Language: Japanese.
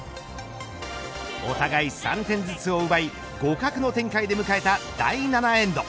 お互い３点ずつを奪い互角の展開で迎えた第７エンド。